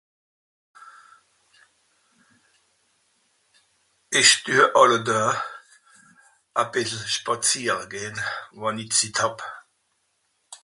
esch düe àlle Daa a bìssel spàziere gehn wànn i Zit hàb